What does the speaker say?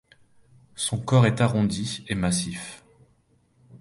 Son corps est arrondi et massif.